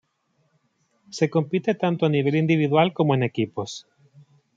Se compite tanto a nivel individual como en equipos.